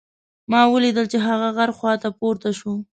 ما ولیدل چې هغه غر هوا ته پورته شو.